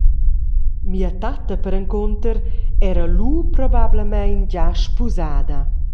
Mia tatta perencunter era lu probablamein gia spusada.